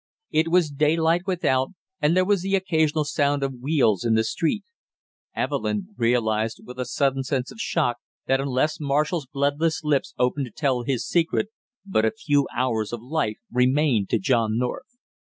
It was daylight without, and there was the occasional sound of wheels in the street. Evelyn realized with a sudden sense of shock that unless Marshall's bloodless lips opened to tell his secret, but a few hours of life remained to John North.